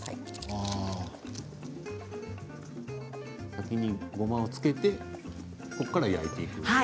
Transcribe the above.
先にごまをつけてそこから焼いていくんですね。